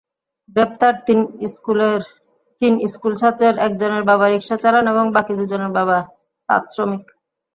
গ্রেপ্তার তিন স্কুলছাত্রের একজনের বাবা রিকশা চালান এবং বাকি দুজনের বাবা তাঁতশ্রমিক।